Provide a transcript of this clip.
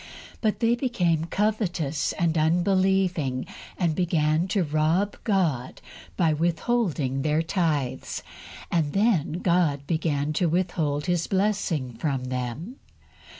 But they became covetous and unbelieving, and began to rob God by withholding their tithes, and then God began to withhold His blessing from them.